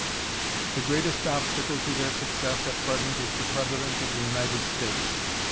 The greatest obstacle to their success at present is the President of the United States.